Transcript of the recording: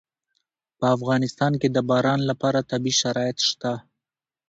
په افغانستان کې د باران لپاره طبیعي شرایط شته.